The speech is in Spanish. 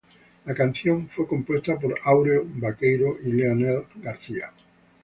La canción fue compuesta por Áureo Baqueiro y Leonel García.